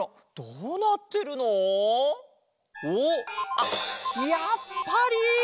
あっやっぱり！